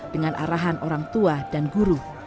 dengan arahan orang tua dan guru